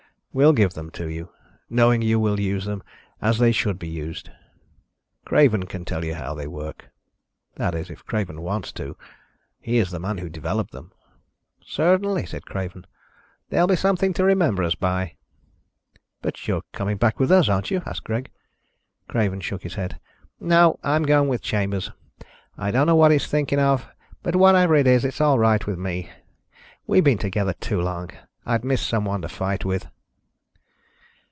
We'll give them to you, knowing you will use them as they should be used. Craven can tell you how they work. That is, if Craven wants to. He is the man who developed them." "Certainly," said Craven. "They'll be something to remember us by." "But you are coming back with us, aren't you?" asked Greg. Craven shook his head. "No, I'm going with Chambers. I don't know what he's thinking of, but whatever it is, it's all right with me. We've been together too long. I'd miss someone to fight with."